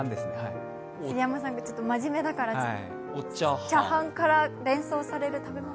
杉山さんがちょっと真面目だから、ちゃはんから連想される食べ物。